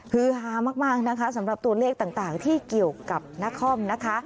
คือฮามากนะคะสำหรับตัวเลขต่างที่เกี่ยวกับนครนะคะ